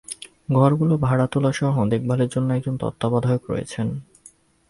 ঘরগুলোর ভাড়া তোলাসহ দেখভালের জন্য একজন তত্ত্বাবধায়ক রয়েছেন।